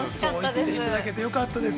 ◆そう言っていただけてよかったです。